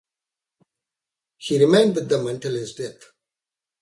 He remained with them until his death.